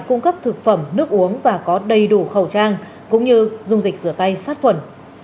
cung cấp thực phẩm nước uống và có đầy đủ khẩu trang cũng như dung dịch rửa tay sát khuẩn